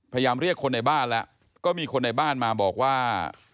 พยายามเรียกคนในบ้านแล้วก็มีคนในบ้านมาบอกว่า